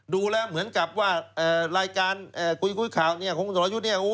ดูแล้วเหมือนกับว่ารายการกุยกุยข่าวของคุณสอลยุทธ์